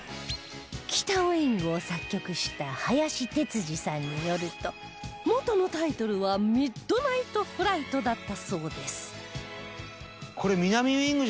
『北ウイング』を作曲した林哲司さんによると元のタイトルは「ミッドナイトフライト」だったそうです